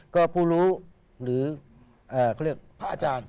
ก็ผู้รู้หรือพระอาจารย์